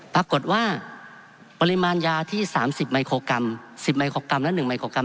ปริมาณยาที่๓๐ไมโครกรัม๑๐ไมโครกรัมและ๑ไมโครกรั